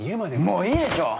もういいでしょ！